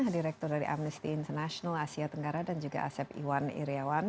direktur dari amnesty international asia tenggara dan juga asep iwan iryawan